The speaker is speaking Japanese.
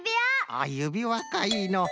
あゆびわかいいのう。